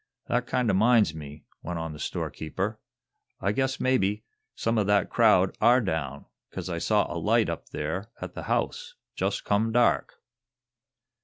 That kinder minds me," went on the storekeeper. "I guess maybe some o' that crowd are down, 'cause I saw a light up there at the house, jest come dark."